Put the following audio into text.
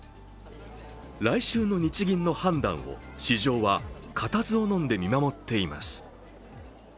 来週の日銀の判断を市場は固唾をのんで見守っています。